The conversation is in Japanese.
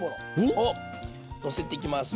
おっ！をのせていきます。